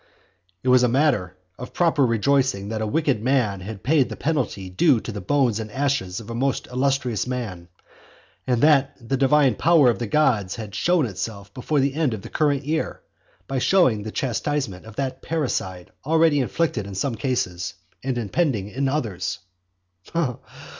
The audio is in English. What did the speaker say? "It was a matter of proper rejoicing that a wicked man had paid the penalty due to the bones and ashes of a most illustrious man, and that the divine power of the gods had shown itself before the end of the current year, by showing the chastisement of that parricide already inflicted in some cases, and impending in others."